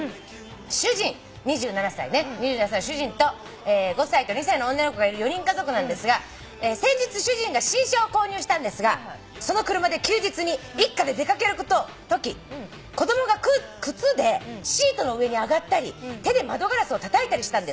「主人２７歳の主人と５歳と２歳の女の子がいる４人家族なんですが先日主人が新車を購入したんですがその車で休日に一家で出掛けるとき子供が靴でシートの上に上がったり手で窓ガラスをたたいたりしたんです」